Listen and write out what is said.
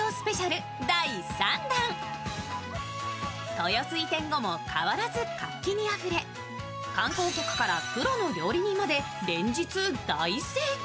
豊洲移転後も変わらず活気にあふれ観光客からプロの料理人まで連日大盛況。